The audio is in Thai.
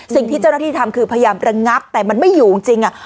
สิ่งที่เจ้านักธิษฐรรมคือพยายามระงักแต่มันไม่อยู่จริงจริงอ่ะ